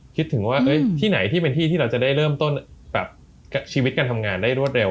คิดถึงว่าที่ไหนที่เป็นที่ที่เราจะได้เริ่มต้นปรับชีวิตการทำงานได้รวดเร็